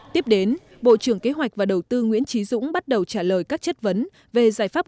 tiếp đến bộ trưởng kế hoạch và đầu tư nguyễn trí dũng bắt đầu trả lời các chất vấn về giải pháp